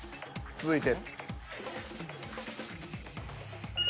続いて。